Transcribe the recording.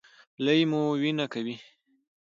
لۍ مو وینه کوي؟